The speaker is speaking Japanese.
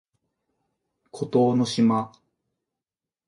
孤島の島